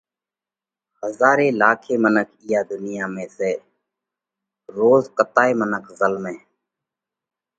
ھزاري لاکي منک اِيئا ڌُنيا ۾ سئہ، روز ڪتائي منک زلمئھ